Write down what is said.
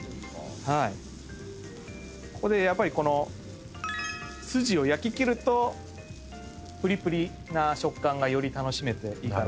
ここでやっぱり筋を焼き切るとプリプリな食感がより楽しめていいかなと思います。